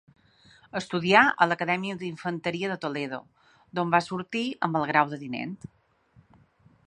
Estudià a l'Acadèmia d'Infanteria de Toledo, d'on va sortir amb el grau de tinent.